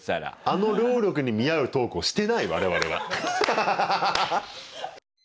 あの労力に見合うトークをしてない我々は。